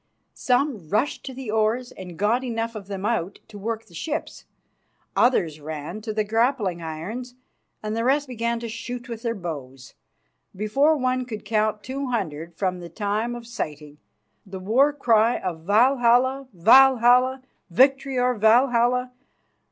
Some rushed to the oars and got enough of them out to work the ships. Others ran to the grappling irons, and the rest began to shoot with their bows. Before one could count two hundred from the time of sighting, the war cry of "_Valhalla! Valhalla! Victory or Valhalla!